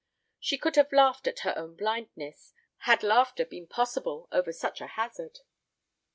She could have laughed at her own blindness, had laughter been possible over such a hazard.